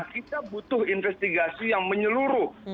kita butuh investigasi yang menyeluruh